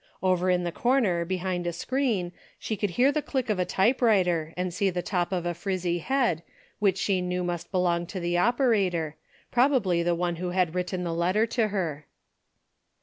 Over in the corner behind a screen, she could hear the click of a typewriter and see the top of a frizzy head which she knew must belong to the operator, probably the one who had written the letter to her.